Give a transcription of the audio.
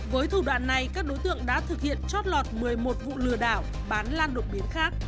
với thủ đoạn này các đối tượng đã thực hiện trót lọt một mươi một vụ lừa đảo bán lan đột biến khác